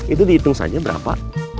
itu dihitung saja berapa